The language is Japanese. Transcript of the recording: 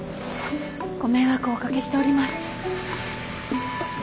ご迷惑をおかけしております。